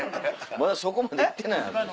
まだそこまでいってないやろ。